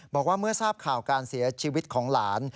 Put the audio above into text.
บอกว่าเมื่อทราบข่าวการเสียชีวิตของหลาน